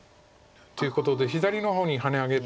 っていうことで左の方にハネ上げて